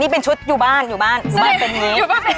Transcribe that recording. นี่เป็นชุดอยู่บ้านอยู่บ้านเป็นอย่างนี้